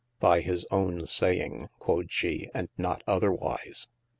by his owne saying, quod she, & not otherwise.